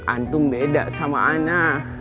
antum beda sama ana